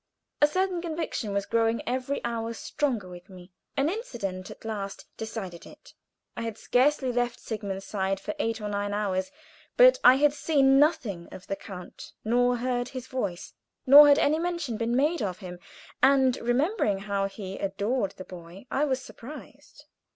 A certain conviction was growing every hour stronger with me. An incident at last decided it. I had scarcely left Sigmund's side for eight or nine hours, but I had seen nothing of the count, nor heard his voice, nor had any mention been made of him, and remembering how he adored the boy, I was surprised.